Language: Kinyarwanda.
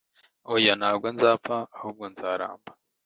oya, nta bwo nzapfa, ahubwo nzaramba